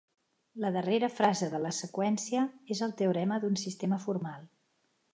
La darrera frase de la seqüència és el teorema d'un sistema formal.